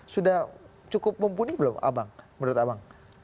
sudah cukup mumpuni belum abang